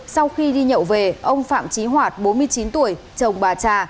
sau khi đi nhậu về ông phạm trí hoạt bốn mươi chín tuổi chồng bà trà